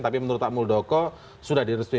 tapi menurut pak muldoko sudah direstui